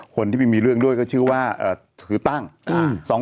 คนที่ไม่มีเรื่องด้วยก็ชื่อว่าถือตั้ง